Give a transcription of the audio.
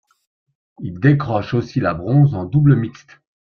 Il décroche aussi la bronze en double mixte.